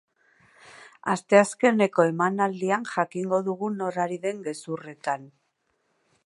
Asteazkeneko emanaldian jakingo dugu nor ari den gezurretan.